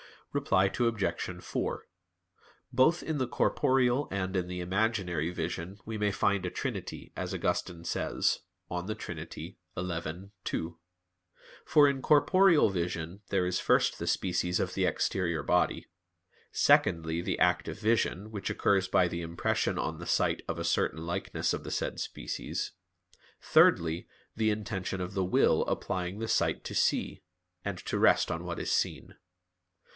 Reply Obj. 4: Both in the corporeal and in the imaginary vision we may find a trinity, as Augustine says (De Trin. xi, 2). For in corporeal vision there is first the species of the exterior body; secondly, the act of vision, which occurs by the impression on the sight of a certain likeness of the said species; thirdly, the intention of the will applying the sight to see, and to rest on what is seen.